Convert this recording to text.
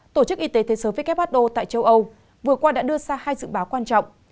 tổ chức y tế thế giới who tại châu âu vừa qua đã đưa ra hai dự báo quan trọng